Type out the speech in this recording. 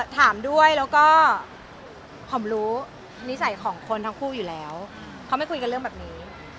ถามด้วยแล้วก็หอมรู้นิสัยของคนทั้งคู่อยู่แล้วเขาไม่คุยกันเรื่องแบบนี้